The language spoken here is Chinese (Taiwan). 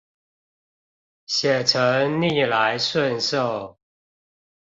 寫成逆來順受